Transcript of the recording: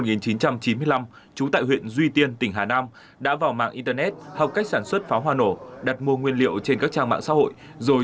trú tại huyện duy tiên tỉnh hà nam đã vào mạng internet học cách sản xuất pháo hoa nổ đặt mua nguyên liệu trên các trang mạng xã hội rồi